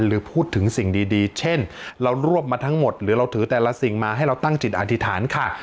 หรือพูดถึงสิ่งดีเช่นเรารวบมาทั้งหมดหรือเราถือแต่ละสิ่งมาให้เราตั้งจิตอธิษฐานค่ะ